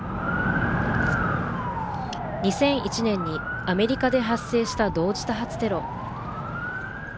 ２００１年にアメリカで発生した同時多発テロ。